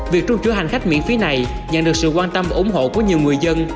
việc trung chủ hành khách miễn phí này nhận được sự quan tâm và ủng hộ của nhiều người dân